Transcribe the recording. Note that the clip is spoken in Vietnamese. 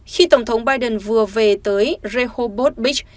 khi tổng thống biden vừa về tới rehoboth beach